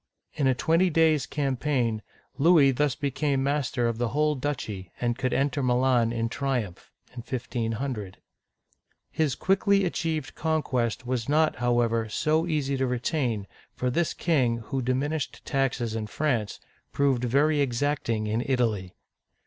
In a twenty days' campaign, Louis thus became uigiTizea Dy vjiOOQlC :»:?o OLD FRANCE master of the whole duchy, and could enter Milan in triumph ( 1 500) His quickly achieved conquest was not, however, so easy to retain, for this king, who diminished taxes in France, proved very exacting in Italy.